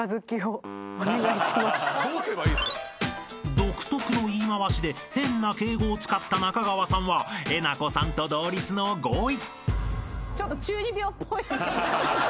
［独特の言い回しで変な敬語を使った中川さんはえなこさんと同率の５位］